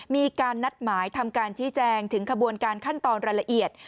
มีการนัดหมายทำการชี้แจงถึงขบวนการขั้นตอนรายละเอียด